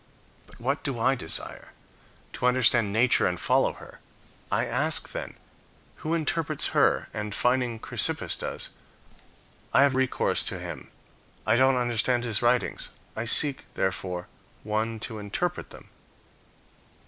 But what do I desire? To understand nature and follow her. I ask, then, who interprets her, and, finding Chrysippus does, I have recourse to him. I don't understand his writings. I seek, therefore, one to interpret them."